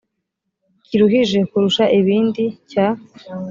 kiruhije kurusha ibindi cya